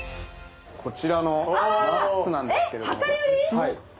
こちらのナッツなんですけれども。